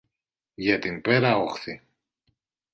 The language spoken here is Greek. Για την πέρα όχθη.